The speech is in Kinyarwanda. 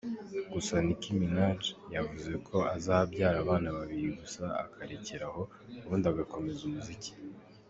Gusa, Nick Minaj yavuze ko azabyara abana babiri gusa akarekeraho, ubundi agakomeza umuziki.